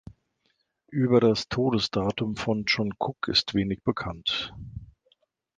Über das Todesdatum von John Kuck ist wenig bekannt.